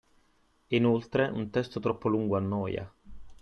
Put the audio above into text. E, inoltre, un testo troppo lungo annoia